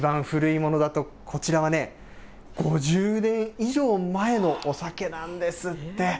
一番古いものだと、こちらはね、５０年以上前のお酒なんですって。